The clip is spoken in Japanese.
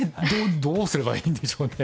どうすればいいんでしょうね。